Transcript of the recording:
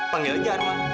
panggil aja arman